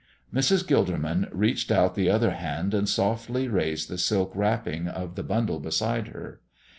Mrs. Gilderman reached out the other hand and softly raised the silk wrapping of the bundle beside her.